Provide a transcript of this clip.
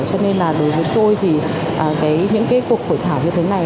cho nên là đối với tôi thì những cái cuộc hội thảo như thế này